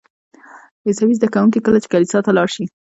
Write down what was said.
عیسوي زده کوونکي کله چې کلیسا ته لاړ شي.